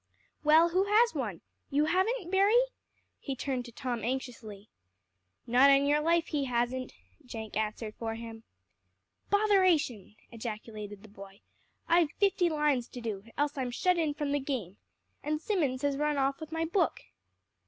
"Well, who has one? You haven't, Berry?" He turned to Tom anxiously. "Not on your life he hasn't," Jenk answered for him. "Botheration!" ejaculated the boy. "I've fifty lines to do, else I'm shut in from the game. And Simmons has run off with my book."